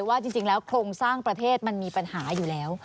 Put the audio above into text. ว่าจริงแล้วโครงสร้างประเทศมันมีปัญหาอยู่แล้ว